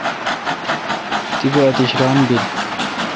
تیپہ اتیش ران بل۔